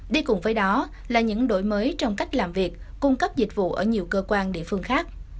đi cùng với đó là những đổi mới trong cách làm việc cung cấp dịch vụ ở nhiều cơ quan địa phương khác